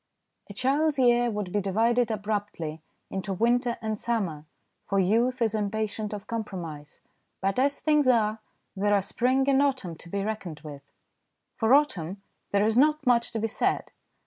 A child's year would be divided abruptly into winter and summer, for youth is impatient of compromise, but as things are, there are spring and autumn to be reckoned with. For autumn, there is not much to be said.